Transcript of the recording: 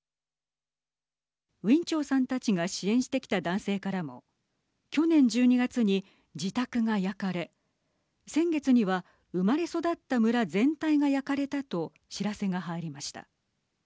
ウィン・チョウさんたちが支援してきた男性からも去年１２月に自宅が焼かれ先月には生まれ育った村全体が焼かれたと知らせが入りました。